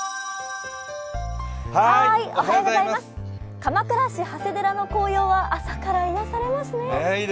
鎌倉市長谷寺の紅葉は朝から癒やされますね。